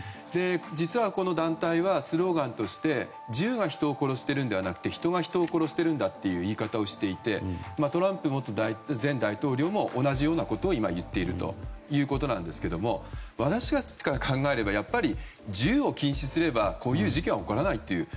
実は、この団体はスローガンとして銃が人を殺しているのではなくて人が人を殺しているんだという言い方をしていてトランプ前大統領も同じようなことを今、言っているんですけども私たちから考えれば銃を禁止すればこういう事件は起こらないっていう。